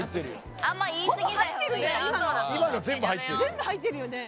全部入ってるよね。